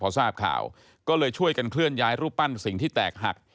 พอทราบข่าวก็เลยช่วยกันเคลื่อนย้ายรูปปั้นสิ่งที่แตกหัก